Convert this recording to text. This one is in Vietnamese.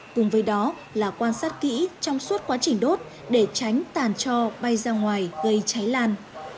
cùng với đó là quan sát kỹ trong suốt quá trình đốt để tránh tàn cho bay ra ngoài gây cháy lan